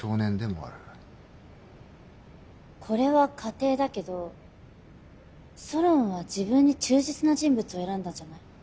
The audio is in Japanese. これは仮定だけどソロンは自分に忠実な人物を選んだんじゃない？